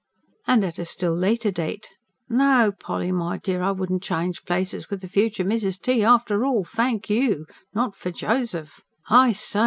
And at a still later date: "No, Polly, my dear, I wouldn't change places with the future Mrs. T. after all, thank you not for Joseph! I SAY!